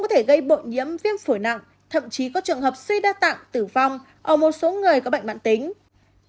có thể gây bội nhiễm viêm phổi nặng thậm chí có trường hợp suy đa tạng tử vong ở một số người có bệnh mạng tính